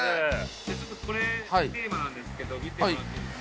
じゃあちょっとこれテーマなんですけど見てもらっていいですか？